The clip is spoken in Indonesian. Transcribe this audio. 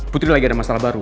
putri lagi ada masalah baru